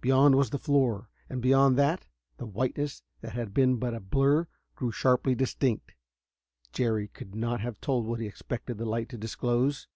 Beyond was the floor, and beyond that.... The whiteness that had been but a blur grew sharply distinct. Jerry could not have told what he expected the light to disclose.